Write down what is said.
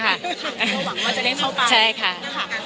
ความหวังว่าจะได้เข้าไป